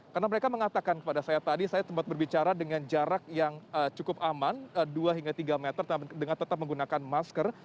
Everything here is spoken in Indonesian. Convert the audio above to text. karena mereka mengatakan kepada saya tadi saya sempat berbicara dengan jarak yang cukup aman dua hingga tiga meter dengan tetap menggunakan masker